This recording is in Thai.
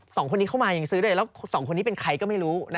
สองคนนี้เข้ามายังซื้อได้แล้วสองคนนี้เป็นใครก็ไม่รู้